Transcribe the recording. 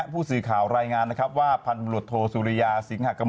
ผู้สื่อข่าวแรงงานว่าพรรณบริหรษโธสุริยาสิงหกมล